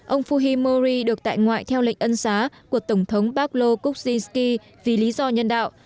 ông fujimori được tại ngoại theo lệnh ân xá của tổng thống pablo kuczynski vì lý do nhân đạo